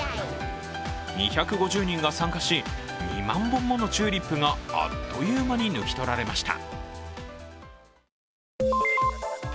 ２５０人が参加し、２万本ものチューリップがあっという間に抜き取られました。